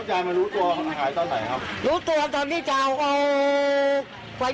ซันมารู้ตัวตายตอนไหนครับรู้ตัวตอบที่จะเอาไว้